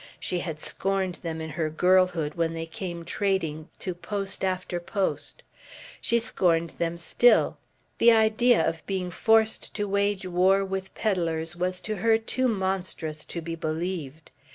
She had scorned them in her girlhood, when they came trading to post after post. She scorned them still. The idea of being forced to wage a war with pedlers was to her too monstrous to be believed.